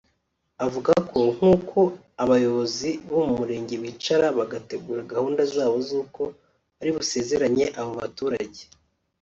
Avuga ko nk’uko abayobozi bo mu murenge bicara bagategura gahunda zabo z’uko bari busezeranye abo baturage